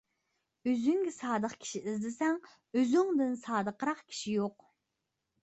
ئۆزۈڭگە سادىق كىشى ئىزدىسەڭ ئۆزۈڭدىن سادىقراق كىشى يوق.